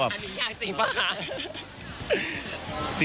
อันนี้ยากจริงป่ะ